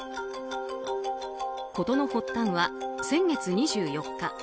事の発端は先月２４日。